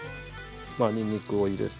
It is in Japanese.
にんにくを入れて。